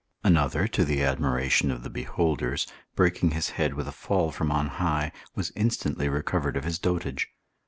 Another, to the admiration of the beholders, breaking his head with a fall from on high, was instantly recovered of his dotage.